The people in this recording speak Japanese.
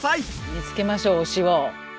見つけましょう推しを！